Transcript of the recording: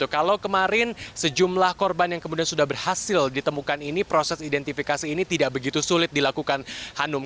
kalau kemarin sejumlah korban yang kemudian sudah berhasil ditemukan ini proses identifikasi ini tidak begitu sulit dilakukan hanum